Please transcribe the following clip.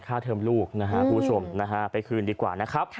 เทิมลูกนะฮะคุณผู้ชมนะฮะไปคืนดีกว่านะครับ